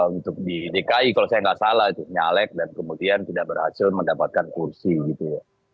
untuk di dki kalau saya nggak salah nyalek dan kemudian tidak berhasil mendapatkan kursi gitu ya